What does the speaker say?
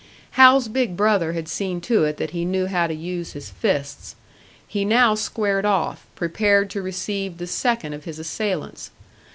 Hal's big brother had seen to it that he knew how to use his fists; he now squared off, prepared to receive the second of his assailants.